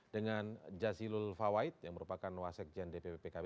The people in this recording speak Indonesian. dengan jazilul fawait yang merupakan wasek jendepi pkb